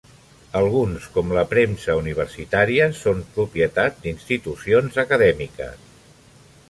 Alguns, com la premsa universitària, són propietat d'institucions acadèmiques.